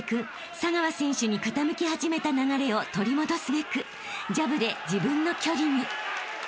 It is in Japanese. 佐川選手に傾き始めた流れを取り戻すべくジャブで自分の距離に］